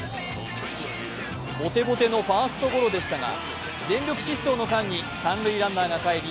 ボテボテのファーストゴロでしたが、全力疾走の間に三塁ランナーが帰り